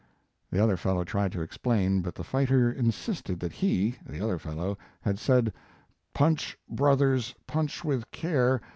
" The other fellow tried to explain, but the fighter insisted that he (the other fellow) had said " Punch, brothers ! punch with care!